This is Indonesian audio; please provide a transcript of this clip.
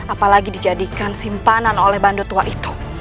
apalagi dijadikan simpanan oleh bandu tua itu